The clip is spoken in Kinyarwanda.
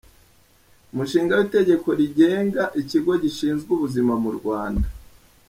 Umushinga w’Itegeko rigenga Ikigo gishinzwe Ubuzima mu Rwanda.